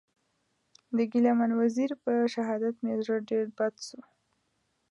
د ګیله من وزېر په شهادت مې زړه ډېر بد سو.